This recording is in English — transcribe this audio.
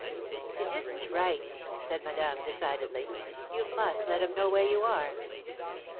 "It isn't right," said Madame, decidedly. "You must let him know where you are."